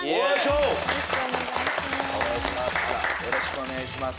お願いします。